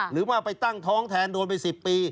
หรือว่าไปตั้งท้องแทนโดนไป๑๐ปี